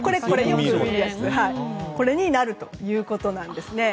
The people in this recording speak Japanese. これになるということなんですね。